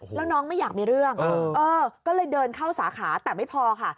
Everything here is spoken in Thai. แล้วน้องไม่อยากมีเรื่องก็เลยเดินเข้าสาขาแต่ไม่พอค่ะ